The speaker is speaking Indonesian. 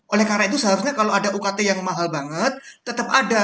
oleh karena itu seharusnya kalau ada ukt yang mahal banget tetap ada